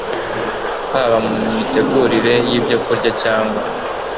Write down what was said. haba mu mitegurire yibyokurya cyangwa